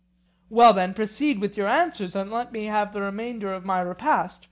Well then, proceed with your answers, and let me have the remainder of my repast.